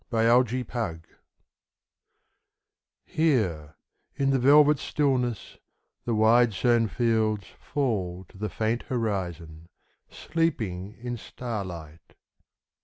THE INDIA WHARF HERE in the velvet stillness The wide sown fields fall to the faint horizon, Sleeping in starlight.